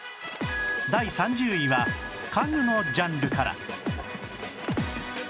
第３０位は家具のジャンルから